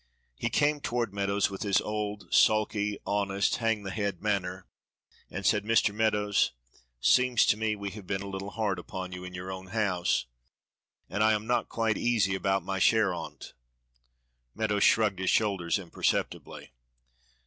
He came toward Meadows with his old sulky, honest, hang the head manner, and said, "Mr. Meadows, seems to me we have been a little hard upon you in your own house, and I am not quite easy about my share on't." Meadows shrugged his shoulders imperceptibly.